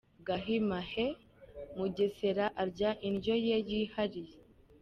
Gahima : Heee ! Mugesera arya indyo ye yihariye.